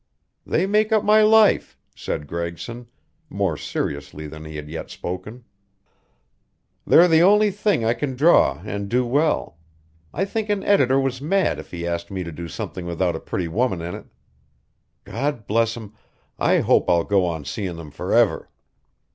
"They make up my life," said Gregson, more seriously than he had yet spoken. "They're the only thing I can draw and do well. I'd think an editor was mad if he asked me to do something without a pretty woman in it. God bless 'em, I hope I'll go on seeing them forever.